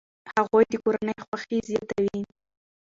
هغوی د کورنۍ خوښي زیاتوي.